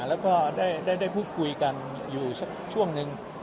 แล้วก็ได้พูดคุยกันอยู่สักช่วงนึง